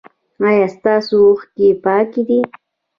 ایا ستاسو اوښکې پاکې دي؟